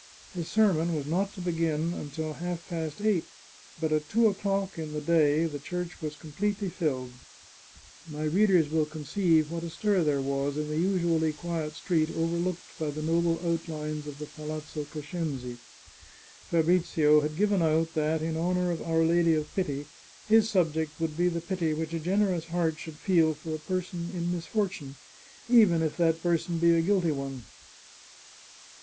His sermon was not to begin until half past eight, but at two o'clock in the day the church was com pletely filled. My readers will conceive what a stir there was in the usually quiet street overlooked by the noble out lines of the Palazzo Crescenzi. Fabrizio had given out that, in honour of Our Lady of Pity, his subject would be the pity which a generous heart should feel for a person in misfor tune, even if that person be a guilty one.